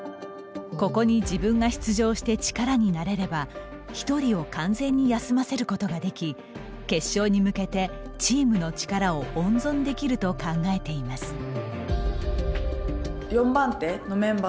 ここに自分が出場して力になれれば１人を完全に休ませることができ決勝に向けて、チームの力を温存できると考えています。